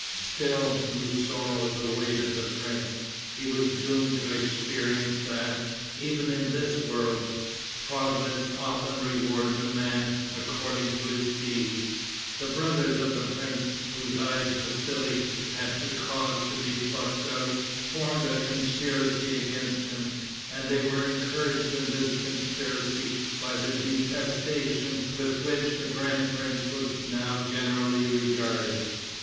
Still new sorrows awaited the prince. He was doomed to experience that, even in this world, Providence often rewards a man according to his deeds. The brothers of the prince, whose eyes Vassali had caused to be plucked out, formed a conspiracy against him; and they were encouraged in this conspiracy by the detestation with which the grand prince was now generally regarded.